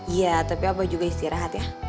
iya tapi apa juga istirahat ya